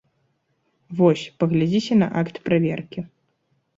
Вось, паглядзіце на акт праверкі.